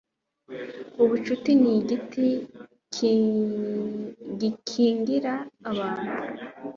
ubucuti nigiti gikingira abantu